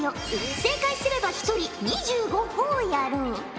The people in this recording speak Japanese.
正解すれば１人２５ほぉやろう。